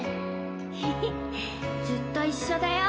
ヘヘずっと一緒だよ